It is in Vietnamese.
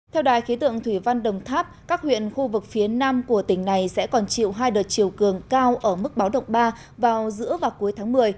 theo đài khí tượng thủy văn đồng tháp các huyện khu vực phía nam của tỉnh này sẽ còn chịu hai đợt chiều cường cao ở mức báo động ba vào giữa và cuối tháng một mươi